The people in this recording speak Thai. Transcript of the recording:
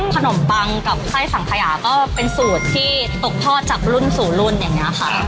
ขนมปังกับไส้สังขยาก็เป็นสูตรที่ตกทอดจากรุ่นสู่รุ่นอย่างนี้ค่ะ